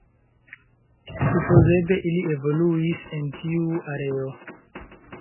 Supozeble ili evoluis en tiu areo.